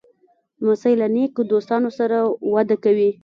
لمسی له نیکو دوستانو سره وده کوي.